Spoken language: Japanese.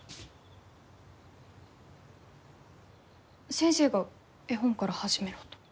先生が絵本から始めろと。